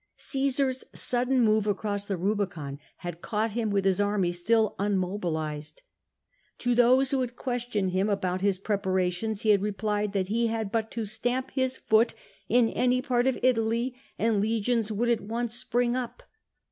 Caesar's sudden move across the Rubicon had caught him with his army still unmobilised. To those who had questioned him about his preparations he had replied that he had but to stamp his foot in any part of Italy and legions would at once spring up."